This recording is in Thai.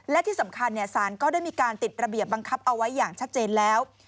และที่สำคัญสารก็ได้มีการติดระเบียบบังคับเอาไว้อย่างชัดเจนแล้ว